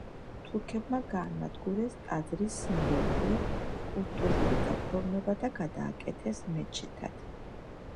თურქებმა გაანადგურეს ტაძრის სიმბოლური სკულპტურული გაფორმება და გადააკეთეს მეჩეთად.